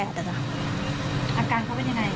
อาการเขาเป็นอย่างไร